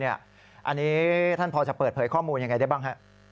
อันนี้ท่านพอจะเปิดเผยข้อมูลยังไงได้บ้างฮะ